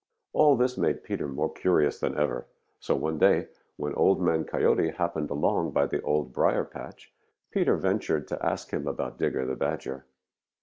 All this made Peter more curious than ever, so one day, when Old Man Coyote happened along by the Old Briar patch, Peter ventured to ask him about Digger the Badger.